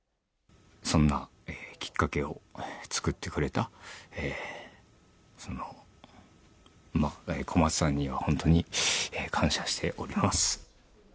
そんなきっかけを作ってくれたその、小松さんには本当に感謝しております。